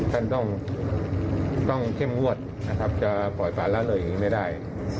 ท่านต้องเข้มงวดนะครับจะปล่อยป่าละเลยอย่างนี้ไม่ได้